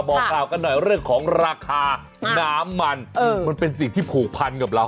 บอกกล่าวกันหน่อยเรื่องของราคาน้ำมันมันเป็นสิ่งที่ผูกพันกับเรา